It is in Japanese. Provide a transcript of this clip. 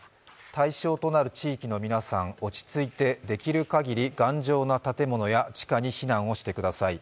対象となる地域の皆さん、落ち着いて、できる限り頑丈な建物や地下に避難をしてください。